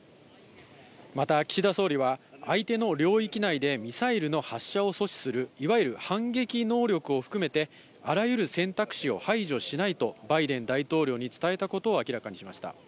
また岸田総理は、相手の領域内でミサイルの発射を阻止するいわゆる反撃能力を含めて、あらゆる選択肢を排除しないと、バイデン大統領に伝えたことを明らかにしました。